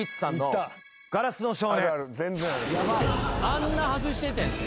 あんな外しててんで？